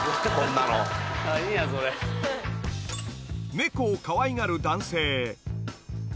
猫をかわいがる男性